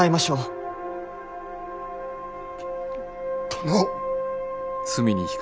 殿。